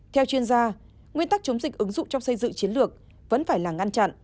theo chuyên gia nguyên tắc chống dịch ứng dụng trong xây dựng chiến lược vẫn phải là ngăn chặn